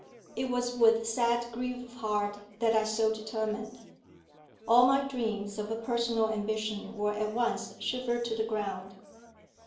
It was with sad grief of heart that I so determined. All my dreams of a personal ambition were at once shivered to the ground.